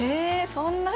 そんなに。